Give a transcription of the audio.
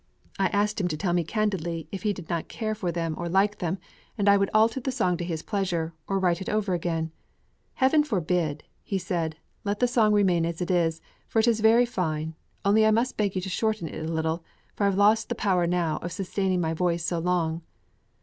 I asked him to tell me candidly if he did not care for them or like them, and I would alter the song to his pleasure, or write it over again. "Heaven forbid!" said he, "let the song remain as it is, for it is very fine; only I must beg you to shorten it a little, for I have lost the power now of sustaining my voice so long."